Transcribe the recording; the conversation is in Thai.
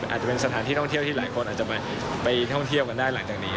อาจจะเป็นสถานที่ท่องเที่ยวที่หลายคนอาจจะไปท่องเที่ยวกันได้หลังจากนี้